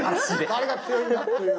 誰が強いのかっていう。